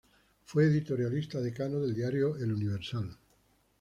Fue editorialista decano del diario "El Universal".